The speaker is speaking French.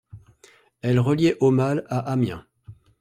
Elle reliait Aumale à Amiens.